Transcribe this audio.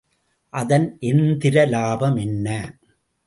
அதன் எந்திர இலாபம் என்ன?